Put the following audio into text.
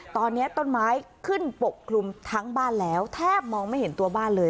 ตอนนี้ต้นไม้ขึ้นปกคลุมทั้งบ้านแล้วแทบมองไม่เห็นตัวบ้านเลย